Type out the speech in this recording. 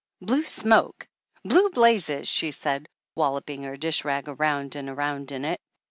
"Blue smoke! Blue blazes!' she said, wal loping her dish rag around and around in it.